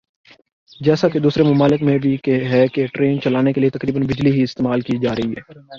جیسا کہ دوسرے ممالک میں بھی ہے کہ ٹرین چلانے کیلئے تقریبا بجلی ہی استعمال کی جارہی ھے